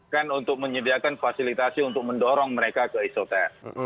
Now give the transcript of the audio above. kan untuk menyediakan fasilitasi untuk mendorong mereka ke isoter